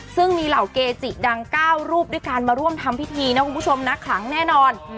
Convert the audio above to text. ซึ่งมีเหล่าเกจิดัง๙รูปด้วยการมาร่วมทำพิธีนะคุณผู้ชมนะขลังแน่นอน